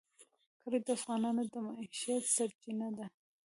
کلي د افغانانو د معیشت سرچینه ده.